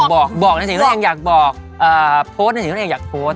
บอกในสิ่งที่ตัวเองอยากบอกโพสต์ในสิ่งที่ตัวเองอยากโพสต์